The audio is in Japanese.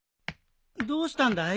どうしたんだい？